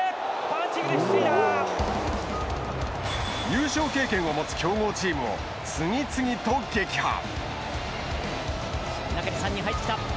優勝経験を持つ強豪チームを次々と撃破。